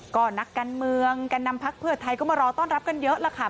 ก็นักการเมืองแก่นำพักเพื่อไทยก็มารอต้อนรับกันเยอะล่ะค่ะ